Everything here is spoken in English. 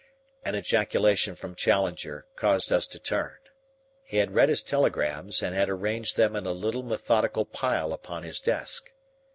An ejaculation from Challenger caused us to turn. He had read his telegrams and had arranged them in a little methodical pile upon his desk.